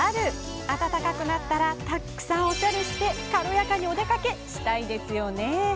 暖かくなったらたくさんおしゃれして軽やかにお出かけしたいですよね。